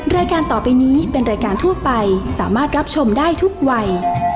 รายการต่อไปนี้เป็นรายการทั่วไปสามารถรับชมได้ทุกวัย